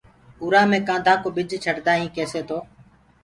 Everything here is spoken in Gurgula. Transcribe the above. اُرآ مي ڪآڌآ ڪو ٻج ڇٽدآ هين ڪيسي تو